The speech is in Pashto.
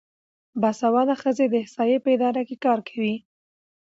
باسواده ښځې د احصایې په اداره کې کار کوي.